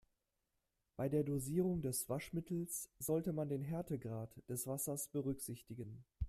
Bei der Dosierung des Waschmittels sollte man den Härtegrad des Wassers berücksichtigen.